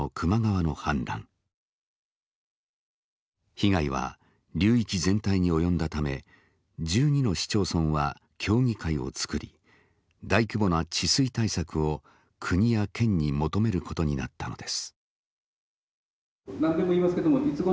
被害は流域全体に及んだため１２の市町村は協議会を作り大規模な治水対策を国や県に求めることになったのです。